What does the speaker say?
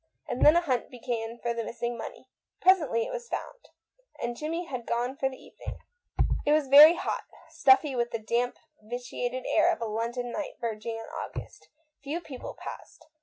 And then a hunt began for the missing money. Presently it was found, and Jimmie had gone for the evening. It was very hot; stuffy with the damp, vitiated air of a London night verging on August. Few people passed.